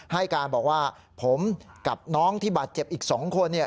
ให้การบอกว่าผมกับน้องที่บาดเจ็บอีก๒คน